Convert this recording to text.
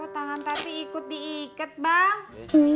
kok tangan tadi ikut diikat bang